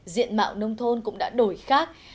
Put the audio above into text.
diện mạo nông thôn cũng đã đổi khác